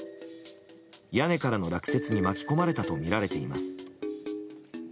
屋根からの落雪に巻き込まれたとみられています。